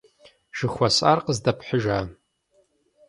Жыхуэсӏар къыздэпхьыжа?